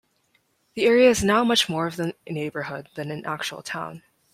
The area is now much more of a neighborhood than an actual town.